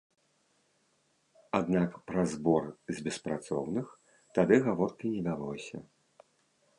Аднак пра збор з беспрацоўных тады гаворкі не вялося.